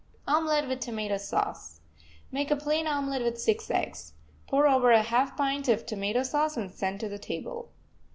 OMELET WITH TOMATO SAUCE Make a plain omelet with six eggs. Pour over a half pint of tomato sauce, and send to the table.